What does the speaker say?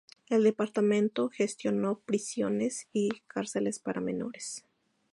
El departamento gestionó prisiones y cárceles para menores.